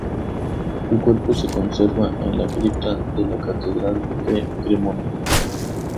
Su cuerpo se conserva en la cripta de la catedral de Cremona.